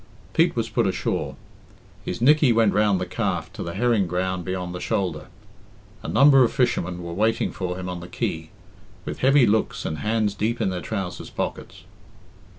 Pete was put ashore; his Nickey went round the Calf to the herring ground beyond the shoulder; a number of fishermen were waiting for him on the quay, with heavy looks and hands deep in their trousers pockets.